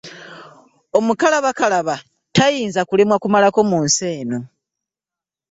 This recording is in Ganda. Omukalabakalaba tayinza kulemwa kumalako mu nsi muno.